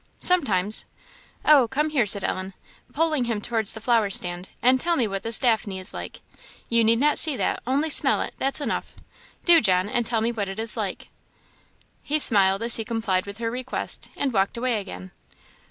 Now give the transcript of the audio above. "Sometimes." "Oh, come here!" said Ellen, pulling him towards the flower stand, "and tell me what this daphne is like, you need not see that, only smell it, that's enough; do, John, and tell me what it is like!" He smiled as he complied with her request, and walked away again.